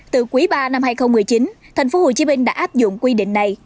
từ quý ba năm hai nghìn một mươi chín tp hcm đã áp dụng quy định này